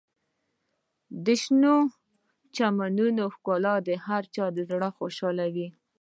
د شنو چمنونو ښکلا د هر چا زړه خوشحالوي.